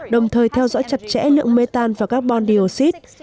đồng thời theo dõi chặt chẽ lượng mê tan và các bondi oxy